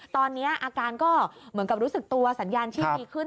ตอนนี้อาการก็เหมือนกับรู้สึกตัวสัญญาณชีพดีขึ้น